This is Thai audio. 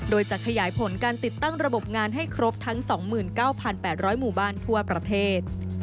โดยจะขยายผลการติดตั้งระบบงานให้ครบทั้ง๒๙๘๐๐หมู่บ้านทั่วประเทศ